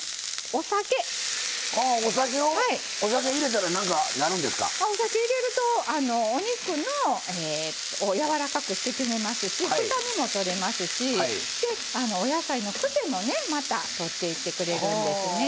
お酒入れるとお肉を柔らかくしてくれますし臭みも取れますしお野菜のクセもねまた取っていってくれるんですね。